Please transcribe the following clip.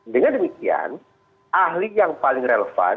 dengan demikian ahli yang paling relevan